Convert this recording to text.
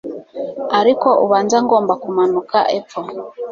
ariko ubanza ngomba kumanuka epfo